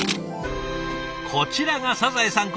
こちらがサザエさん